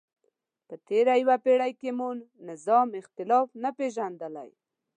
په تېره یوه پیړۍ کې مو نظام اختلاف نه پېژندلی.